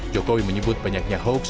jokowi menyebut banyaknya hoaks